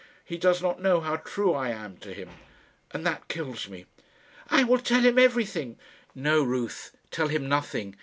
He does not know how true I am to him, and that kills me." "I will tell him everything." "No, Ruth; tell him nothing.